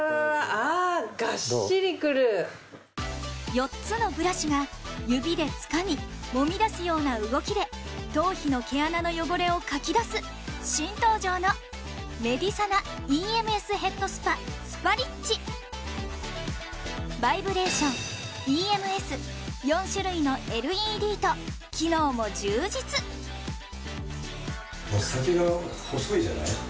４つのブラシが指でつかみもみ出すような動きで頭皮の毛穴の汚れをかき出す新登場のバイブレーションＥＭＳ４種類のＬＥＤと機能も充実先が細いじゃない。